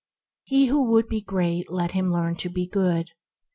He who would be great let him learn to be good.